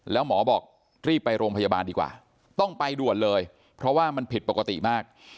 แล้วหมอบอกรีบไปโรงพยาบาลดีกว่าต้องไปด่วนเลยเพราะว่ามันผิดปกติมาก